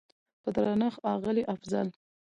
په درنښت اغلې افضل